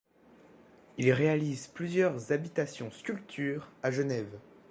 Il réalise plusieurs habitations-sculpture à Genève.